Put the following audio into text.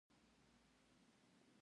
سلطنتي حرم د فساد ځاله انځور شوې ده.